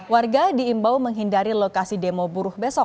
warga diimbau menghindari lokasi demo buruh besok